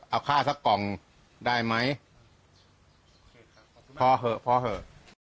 เอาค่าสักกล่องได้ไหมพอเหอะพอเถอะ